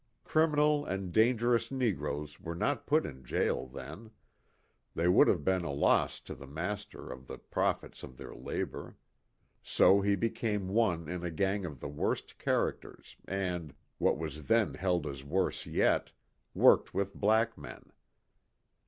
Crimi nal and dangerous negroes were not put in jail then ; that would have been a loss to the master of the profits of their labor. So he became one in a gang of the worst characters and what was then held as worse yet worked with black men.